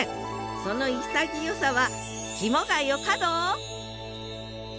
その潔さはきもがよかど！